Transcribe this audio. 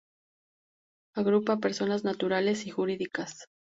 Agrupa a personas naturales y jurídicas.